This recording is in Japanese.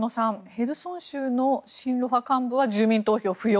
ヘルソン州の親ロ派幹部は住民投票不要。